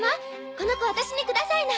この子私にくださいな。